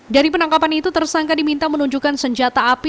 dari penangkapan itu tersangka diminta menunjukkan senjata api